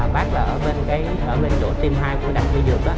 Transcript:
bác là ở bên chỗ tim hai của đặc vi dược đó